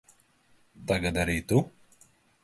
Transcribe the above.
Tagad arī tu?